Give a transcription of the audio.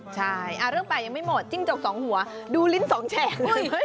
ใช่เรื่องปลายยังไม่หมดจิ้งจกสองหัวดูลิ้นสองแฉก